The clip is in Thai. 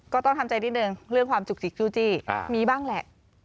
ก็ต้องทำใจนิดนึงเรื่องความจุกจิกจู่จี้มีบ้างแหละ